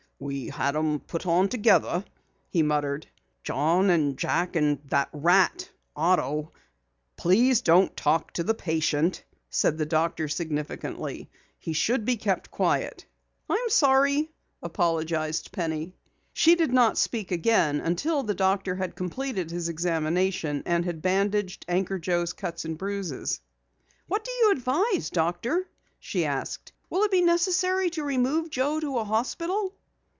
"We had 'em put on together," he muttered. "Jack an' John, and that rat, Otto " "Please don't talk to the patient," said the doctor significantly. "He should be kept quiet." "I'm sorry," apologized Penny. She did not speak again until the doctor had completed his examination and had bandaged Anchor Joe's cuts and bruises. "What do you advise, doctor?" she asked. "Will it be necessary to remove Joe to a hospital?"